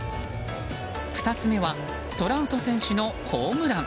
２つ目はトラウト選手のホームラン。